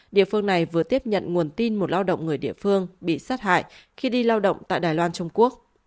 địa phương này vừa tiếp nhận nguồn tin một lao động người địa phương bị sát hại khi đi lao động tại đài loan trung quốc